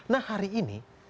nah hari ini